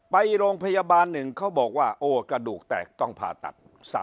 ไปโรงพยาบาลหนึ่งเขาบอกว่าโอ้กระดูกแตกต้องผ่าตัด